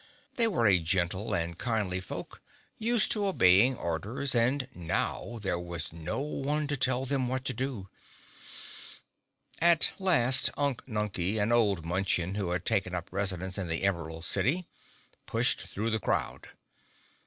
They were a gentle and kindly folk, used to obeying orders, and now there was no one to tell them what to do. At last Unk Nunkie, an old Munchkin who had taken up residence in the Emerald City, pushed through the crowd.